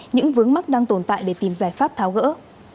những vướng mắc đang tồn tại để tìm giải pháp tháo gỡ